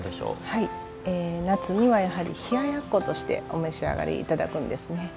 夏にはやはり冷ややっことしてお召し上がり頂くんですね。